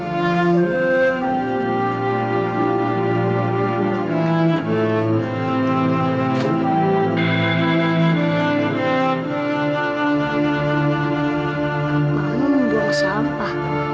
mau membuang sampah